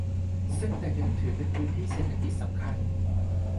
ซึ่งแต่เดิมถือเป็นพื้นที่เศรษฐกิจสำคัญ